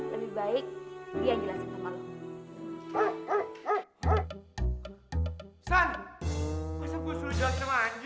lebih baik dia yang jelasin sama lo